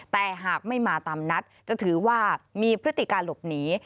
แต่หากไม่มาตามนัดจะถือว่ามีพฤติการหลบหนี